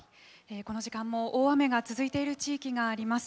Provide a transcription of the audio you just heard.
この時間も大雨が続いている地域があります。